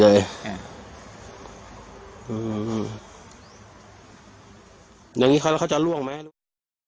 อ่าอืมอย่างงี้เขาแล้วเขาจะร่วงไหม